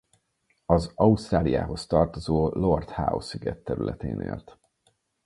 Az Ausztráliához tartozó Lord Howe-sziget területén élt.